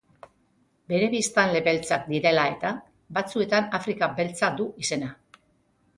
Bere biztanle beltzak direla eta, batzuetan Afrika Beltza du izena.